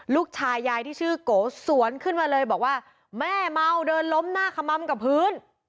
ลูกชายยายที่ชื่อโกสวนขึ้นมาเลยบอกว่าแม่เมาเดินล้มหน้าขม่ำกับพื้น